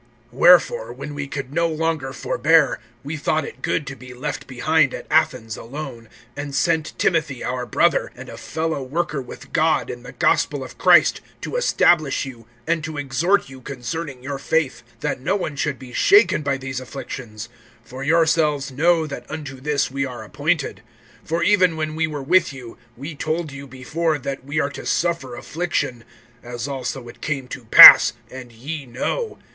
WHEREFORE, when we could no longer forbear, we thought it good to be left behind at Athens alone; (2)and sent Timothy, our brother, and a fellow worker with God in the gospel of Christ, to establish you, and to exhort you concerning your faith; (3)that no one should be shaken by these afflictions, for yourselves know that unto this we are appointed. (4)For even when we were with you, we told you before that we are to suffer affliction; as also it came to pass, and ye know.